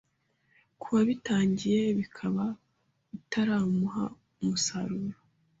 ku wabitangiye bikaba bitaramuha umusaruro